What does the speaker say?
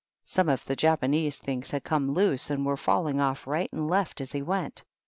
Some of the Japanese things had come loose, and were falling off right and left as he went.